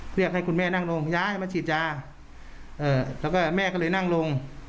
เรียกให้คุณแม่นั่งลงย้ายมาฉีดยาแล้วก็แม่ก็เลยนั่งลง